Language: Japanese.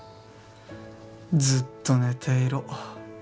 「ずっと寝ていろ。